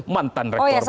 mantan rektor maramadin